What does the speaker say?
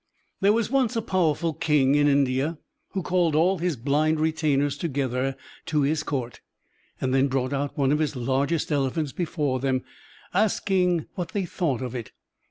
There was once a powerful king in India, who called all his blind retainers together to his court, and then brought out one of his largest elephants before them, asking what they thotight of it.